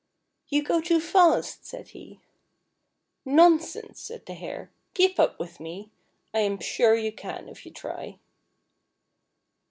" You go too fast," said he. "Nonsense," said the Hare; "keep up with me. I am sure you can if you try."